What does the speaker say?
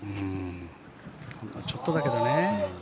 ほんのちょっとだけどね。